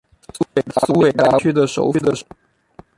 苏韦达为该区的首府。